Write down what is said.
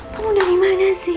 kamu dari mana sih